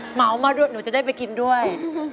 เหมามาด้วยหนูจะได้ไปกินด้วย